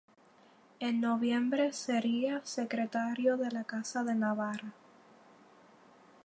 En noviembre sería secretario de la casa de Navarra.